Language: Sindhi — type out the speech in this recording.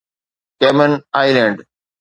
ڪيمن آئيلينڊ